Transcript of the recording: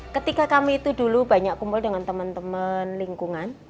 ketika kami itu dulu banyak kumpul dengan teman teman lingkungan